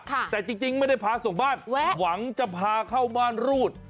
แต่จริงไม่ได้พาส่งบ้านหวังจะพาเข้าม่านรูด